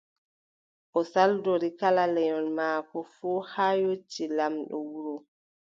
O saldori kala lenyol maako fuu, haa yotti laamɗo wuro.